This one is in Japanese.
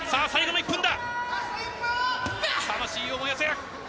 最後の１分だ。